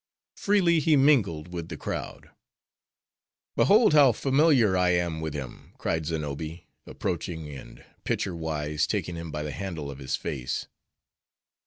Freely he mingled with the crowd. "Behold, how familiar I am with him!" cried Znobbi, approaching, and pitcher wise taking him by the handle of his face.